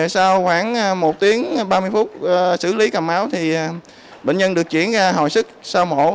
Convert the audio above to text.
sau khoảng một tiếng ba mươi phút xử lý cầm máu bệnh nhân được chuyển ra hồi sức sau mổ